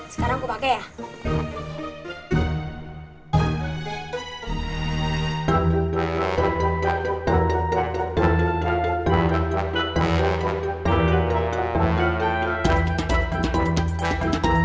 sekarang aku pakai yang berat